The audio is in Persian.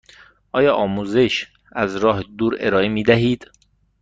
آیا آموزش از راه دور ارائه می دهید؟